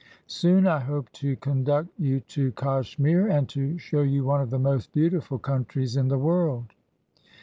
Soon I hope to conduct you to Kachemire, and to show you one of the most beautiful countries in the world.